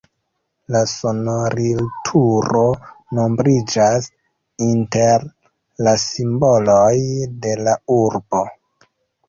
La sonorilturo nombriĝas inter la simboloj de la urbo.